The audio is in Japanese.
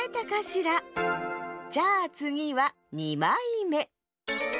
じゃあつぎは２まいめ。